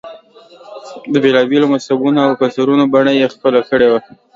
د بېلا بېلو مذهبونو او کلتورونو بڼه یې خپله کړې وه.